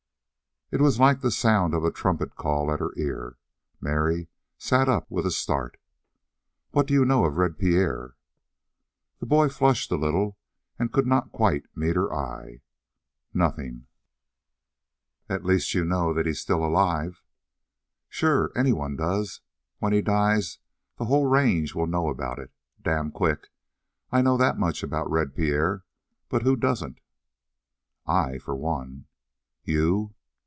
It was like the sound of a trumpet call at her ear. Mary sat up with a start. "What do you know of Red Pierre?" The boy flushed a little, and could not quite meet her eye. "Nothin'." "At least you know that he's still alive?" "Sure. Anyone does. When he dies the whole range will know about it damn quick. I know that much about Red Pierre; but who doesn't?" "I, for one." "You!"